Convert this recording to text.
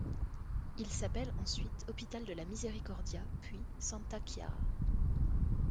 Il s’appelle ensuite hôpital de la Misericordia puis Santa Chiara.